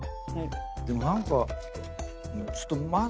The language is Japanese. でも何か。